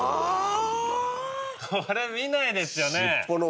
これ見ないですよね。